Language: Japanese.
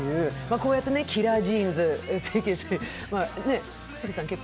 こうやって「キラー・ジーンズ」、「整形水」